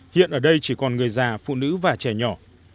hiện ở đây chỉ còn người già phụ nữ và trẻ nhỏ